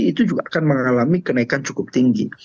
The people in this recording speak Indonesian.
itu juga akan mengalami kenaikan cukup tinggi